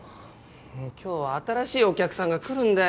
今日は新しいお客さんが来るんだよ。